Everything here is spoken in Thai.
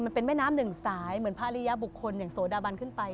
มันเป็นแม่น้ำหนึ่งสายเหมือนภรรยาบุคคลอย่างโสดาบันขึ้นไป